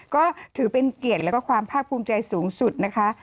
ก็ถือเป็นเกียรติแล้วก็ความภาคภูมิใจสูงสุดนะคะ